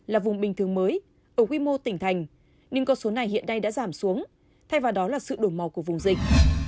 là vùng bình thường mới ở quy mô tỉnh thành nên con số này hiện nay đã giảm xuống thay vào đó là sự đổi màu của vùng dịch